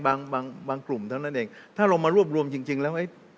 บางบางกลุ่มเท่านั้นเองถ้าเรามารวบรวมจริงแล้วไอ้